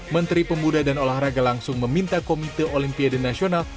menteri pemuda dan olahraga langsung meminta komite olimpiade nasional